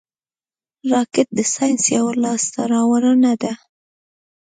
راکټ د ساینس یوه لاسته راوړنه ده